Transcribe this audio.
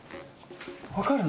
わかるの？